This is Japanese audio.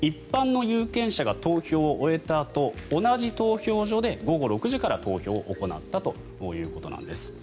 先週５日に行われたんですが一般の有権者が投票を終えたあと同じ投票所で午後６時から投票を行ったということです。